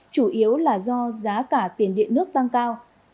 chủ yếu là do giá cả tiền điện nước tăng cao